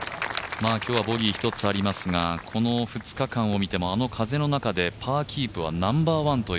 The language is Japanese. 今日はボギー１つありますがこの２日間を見てもあの風の中でパーキープはナンバーワン。